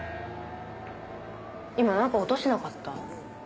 今何か音しなかった？